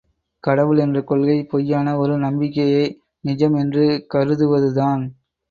கடவுள் என்ற கொள்கை பொய்யான ஒரு நம்பிக்கையை நிஜம் என்று கருதுவதுதான்.